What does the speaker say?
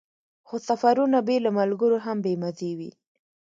خو سفرونه بې له ملګرو هم بې مزې وي.